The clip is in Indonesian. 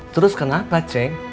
terus kenapa ceng